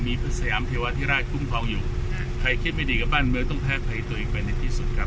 มีพฤศยามเทวาที่ราชปุ้มของอยู่ใครคิดไม่ดีกับบ้านมือเราต้องแพ้ไปให้ตัวอีกไปในที่สุดครับ